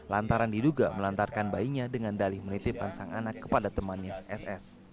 lantaran diduga melantarkan bayinya dengan dalih menitipkan sang anak kepada temannya ss